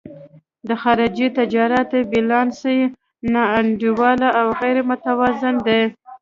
د خارجي تجارت بیلانس یې نا انډوله او غیر متوازن دی.